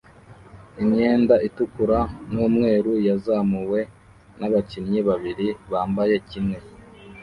imyenda itukura numweru yazamuwe nabakinnyi babiri bambaye kimwe